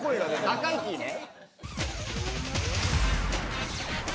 高いキーね。